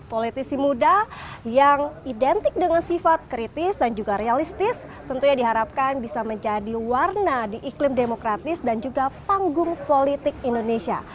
politisi muda yang identik dengan sifat kritis dan juga realistis tentunya diharapkan bisa menjadi warna di iklim demokratis dan juga panggung politik indonesia